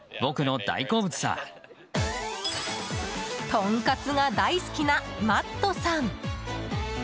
とんかつが大好きなマットさん。